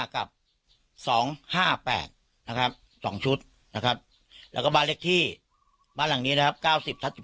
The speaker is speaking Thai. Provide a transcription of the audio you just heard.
กับ๒๕๘นะครับ๒ชุดนะครับแล้วก็บ้านเลขที่บ้านหลังนี้นะครับ๙๐ทับ๑